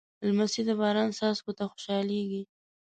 لمسی د باران څاڅکو ته خوشحالېږي.